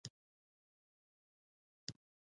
آیا دوی د امازون په څیر کار نه کوي؟